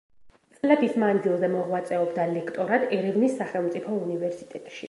წლების მანძილზე მოღვაწეობდა ლექტორად ერევნის სახელმწიფო უნივერსიტეტში.